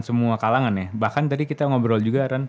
semua kalangan ya bahkan tadi kita ngobrol juga